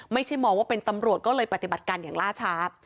ไม่ใช่มองว่าเป็นตำรวจก็เลยปฏิบัติการอย่างล่าช้า